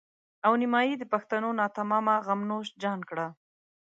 او نيمایي د پښتنو ناتمامه غم نوش جان کړه.